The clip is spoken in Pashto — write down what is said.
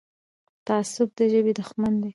تعصب د ژبې دښمن دی.